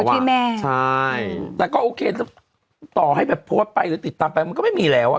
ชื่อแม่ใช่แต่ก็โอเคต่อให้แบบโพสต์ไปหรือติดตามไปมันก็ไม่มีแล้วอ่ะ